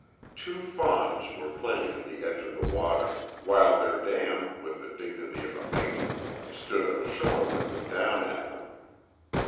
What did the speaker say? Two fawns were playing in the edge of the water, while their dam, with the dignity of a matron, stood on the shore looking down at them.